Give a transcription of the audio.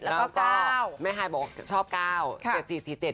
แล้วก็เก้าแม่คายบอกชอบเก้าค่ะเจ็ดสี่สี่เจ็ด